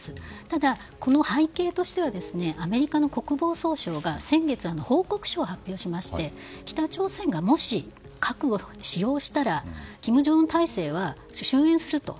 ただ、この背景としてはアメリカの国防総省が先月、報告書を発表しまして北朝鮮が、もし核を使用したら金正恩体制は終焉すると。